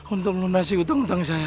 untuk melunasi hutang hutang saya